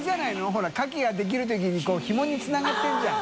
痢曚カキができるときに劵發つながってるじゃん。